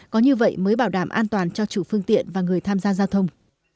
có như vậy mới bảo đảm an toàn cho chủ phương tiện và người tham gia giao thông